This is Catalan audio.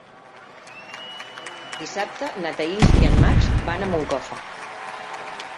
Dissabte na Thaís i en Max van a Moncofa.